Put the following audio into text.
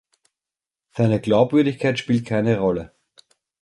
Seine Glaubwürdigkeit spielt keine Rolle.